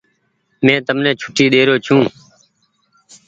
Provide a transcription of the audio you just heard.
مين تمني ڇوٽي ڏيرو ڇو۔